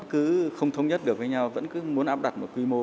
cứ không thống nhất được với nhau vẫn cứ muốn áp đặt một quy mô